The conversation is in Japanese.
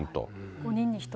５人に１人。